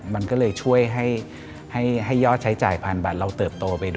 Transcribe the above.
มันก็ช่วยให้ยอดใช้จ่ายผ่านเราเติบโต